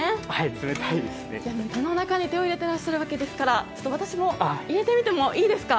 でも、この中に手を入れてらっしゃるわけですから私も入れてみてもいいですか？